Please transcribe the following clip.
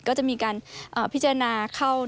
ก็จะมีการพิจารณาเข้า